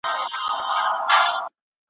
هم پر شمع، هم پانوس باندي ماښام سو `